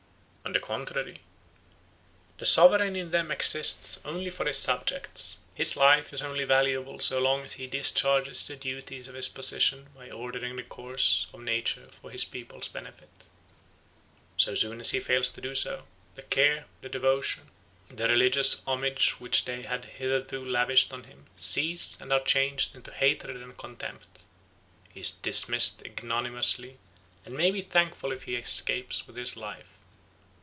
On the contrary, the sovereign in them exists only for his subjects; his life is only valuable so long as he discharges the duties of his position by ordering the course of nature for his people's benefit. So soon as he fails to do so, the care, the devotion, the religious homage which they had hitherto lavished on him cease and are changed into hatred and contempt; he is dismissed ignominiously, and may be thankful if he escapes with his life.